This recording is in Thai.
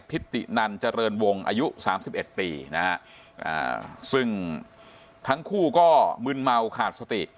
พิษตินันจริงวงศ์อายุสามสิบเอ็ดปีนะฮะซึ่งทั้งคู่ก็มึนเมาขาดสติ